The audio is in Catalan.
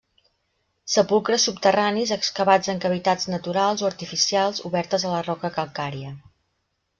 Sepulcres subterranis excavats en cavitats naturals o artificials obertes a la roca calcària.